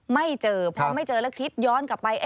ไม่เจอพอไม่เจอแล้วคิดย้อนกลับไป